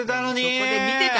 そこで見てたから。